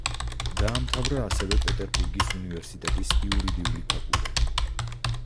დაამთავრა ასევე პეტერბურგის უნივერსიტეტის იურიდიული ფაკულტეტი.